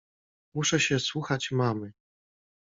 Muszę się słuchać mamy.